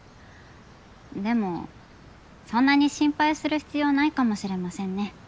でもそんなに心配する必要ないかもしれませんね。